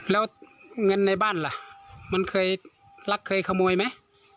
แล้วเงินในบ้านล่ะมันเคยรักเคยขโมยไหม